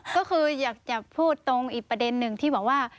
ก็คืออยากจะพูดตรงอีกประเด็นหนึ่งที่บอกว่า